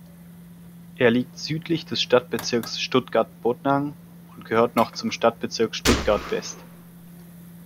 Er liegt südlich des Stadtbezirks Stuttgart-Botnang und gehört noch zum Stadtbezirk Stuttgart-West.